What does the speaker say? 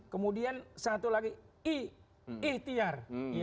kemudian satu lagi i ihtiar